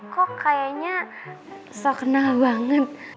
kok kayaknya so kenal banget